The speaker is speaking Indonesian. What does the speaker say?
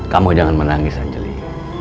kamu jangan menangis anjli